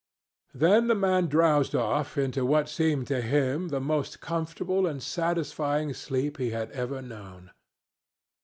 Then the man drowsed off into what seemed to him the most comfortable and satisfying sleep he had ever known.